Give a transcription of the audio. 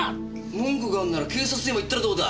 文句があるんなら警察でも行ったらどうだ！？